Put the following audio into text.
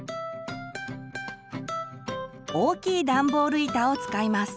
大きいダンボール板を使います。